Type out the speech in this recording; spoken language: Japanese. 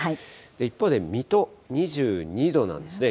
一方で水戸、２２度なんですね。